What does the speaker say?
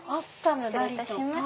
失礼いたします。